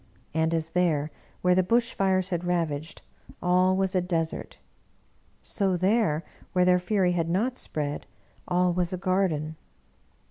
And as there, where the bush fires had rav aged, all was a desert, so there, where their fury had not spread, all was a garden.